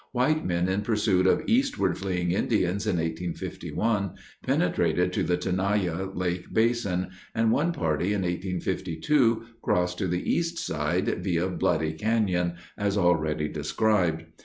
White men in pursuit of eastward fleeing Indians in 1851 penetrated to the Tenaya Lake basin, and one party in 1852 crossed to the east side via Bloody Canyon, as already described.